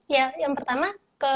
ya yang pertama